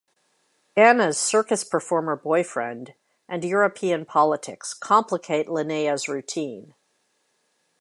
Anna's circus-performer boyfriend and European politics complicate Linnea's routine.